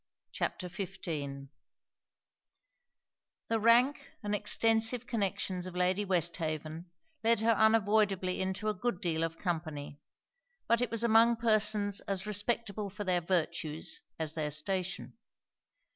] CHAPTER XV The rank, and extensive connections of Lady Westhaven, led her unavoidably into a good deal of company; but it was among persons as respectable for their virtues as their station.